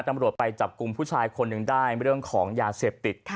ตำรวจไปจับกลุ่มผู้ชายคนหนึ่งได้เรื่องของยาเสพติด